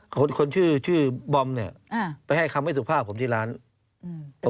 คนคนชื่อชื่อบอมเนี้ยอ่าไปให้คำให้สุภาพผมที่ร้านอืม